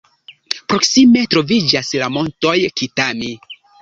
Proksime troviĝas la Montoj Kitami.